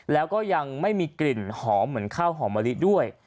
แล้วก็ยังไม่มีกลิ่นหอมเหมือนข้าวหอมมะลิด้วย